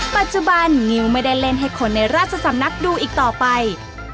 ปัจจุบันงิวไม่ได้เล่นให้คนในราชสำนักดูอีกต่อไป